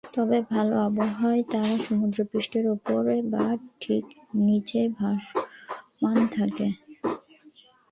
তবে ভালো আবহাওয়ায় তারা সমুদ্রপৃষ্ঠের উপরে বা ঠিক নিচেই ভাসমান থাকে।